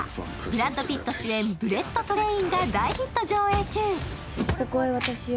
ブラッド・ピット主演「ブレット・トレイン」が大ヒット上映中。